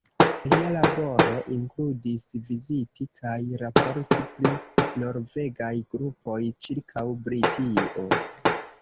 Lia laboro inkludis viziti kaj raporti pri norvegaj grupoj ĉirkaŭ Britio.